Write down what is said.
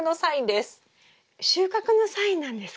収穫のサインなんですか？